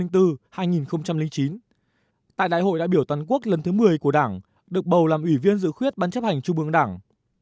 tại đại hội đại biểu toàn quốc lần thứ một mươi của đảng được bầu làm ủy viên dự khuyết ban chấp hành trung ương đảng